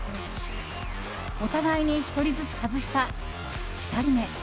お互いに１人ずつ外した２人目。